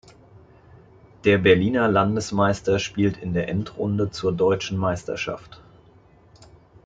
Der Berliner Landesmeister spielte in der Endrunde zur deutschen Meisterschaft.